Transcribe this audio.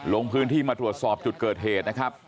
ลงพื้นที่มาตรวจสอบจุดเกิดเหตุนะครับ